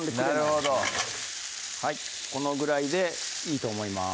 なるほどこのぐらいでいいと思います